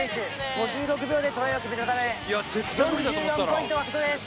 ５６秒でトライを決めたため４４ポイント獲得です！